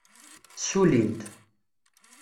Ssulin-t.